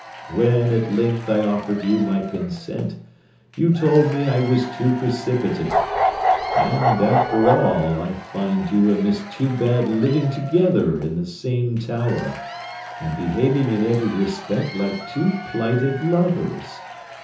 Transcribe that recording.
When, at length, I offered you my consent, you told me I was too precipitate. And, after all, I find you and Miss Toobad living together in the same tower, and behaving in every respect like two plighted lovers.